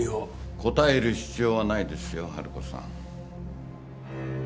答える必要はないですよ春子さん。